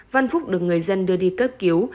văn phúc được người dân đưa đi cất cứu